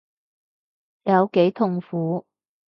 有幾痛苦